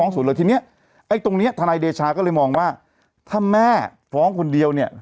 ทีนี้ไอ้ตรงนี้ทนายเดชาก็เลยมองว่าถ้าแม่ฟ้องคนเดียวเนี่ย